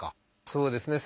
そうですね。